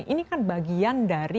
ini kan bagian dari